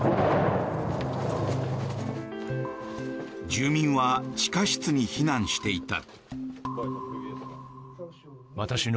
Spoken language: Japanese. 住民は地下室に避難していた。